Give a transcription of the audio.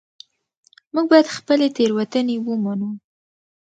موږ باید خپلې تېروتنې ومنو